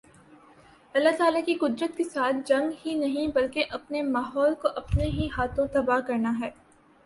اللہ تعالی کی قدرت کے ساتھ جنگ ہی نہیں بلکہ اپنے ماحول کو اپنے ہی ہاتھوں تباہ کرنا ہے